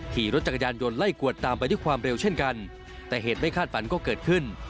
ขี่รถจักรยานยนต์ไล่กวดตามไปด้วยความเร็วเช่นกัน